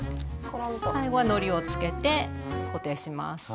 最後はのりをつけて固定します。